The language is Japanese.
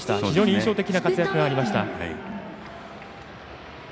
非常に印象的な活躍がありました。